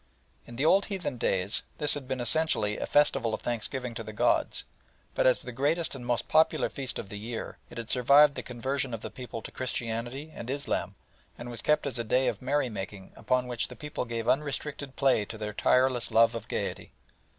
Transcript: In the old heathen days this had been essentially a festival of thanksgiving to the gods, but as the greatest and most popular feast of the year it had survived the conversion of the people to Christianity and Islam and was kept as a day of merry making upon which the people gave unrestricted play to their tireless love of gaiety.